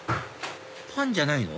パンじゃないの？